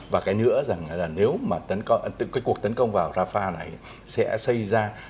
và cái nữa rằng là nếu mà cái cuộc tấn công vào rafah này sẽ xây ra